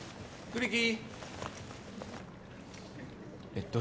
栗木？